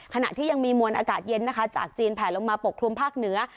ขณะที่ยังมีมวลอากาศเย็นนะคะจากจีนแผลลงมาปกคลุมภาคเหนือ